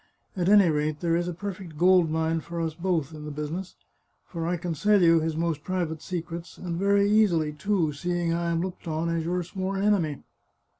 At any rate, there is a perfect gold mine for us both in the business, for I can sell you his most private secrets, and very easily, too, seeing I am looked on as your sworn enemy.